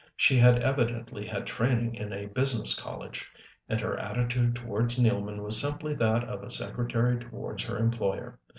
She had evidently had training in a business college; and her attitude towards Nealman was simply that of a secretary towards her employer.